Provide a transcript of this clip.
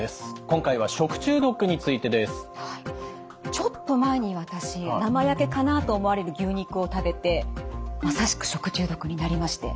今回は食中毒についてです。ちょっと前に私生焼けかなと思われる牛肉を食べてまさしく食中毒になりまして。